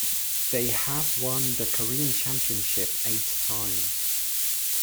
They have won the Korean Championship eight times.